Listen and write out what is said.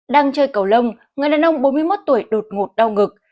đang chơi cầu lông người đàn ông bốn mươi một tuổi đột ngột đau ngực